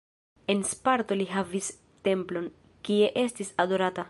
En Sparto li havis templon, kie estis adorata.